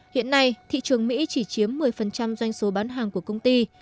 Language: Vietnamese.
hiện nay thị trường mỹ chỉ chiếm một mươi doanh số bán hàng của công ty